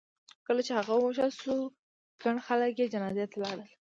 کله چې هغه ووژل شو ګڼ خلک یې جنازې ته لاړل.